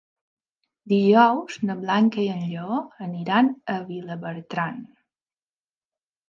Dijous na Blanca i en Lleó aniran a Vilabertran.